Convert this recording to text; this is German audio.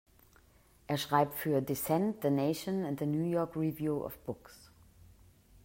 Er schreibt für "Dissent", "The Nation" und "The New York Review of Books".